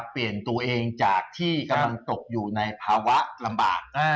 เปลี่ยนตัวเองจากที่กำลังตกอยู่ในภาวะลำบาก